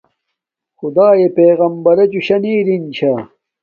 خدݳئݺ پݵغمبَرݵچُݸ شݳر نݵ رِن چھݳ.